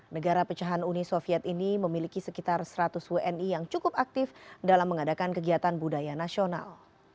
negara pecahan uni soviet ini memiliki sekitar seratus wni yang cukup aktif dalam mengadakan kegiatan budaya nasional